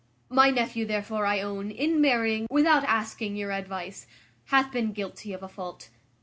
My nephew, therefore, I own, in marrying, without asking your advice, hath been guilty of a fault.